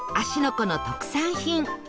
湖の特産品